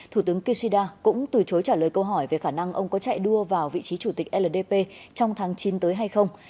thủ tướng kishida cũng từ chối trả lời câu hỏi về khả năng ông có chạy đua vào vị trí chủ tịch ldp trong tháng chín tới hay không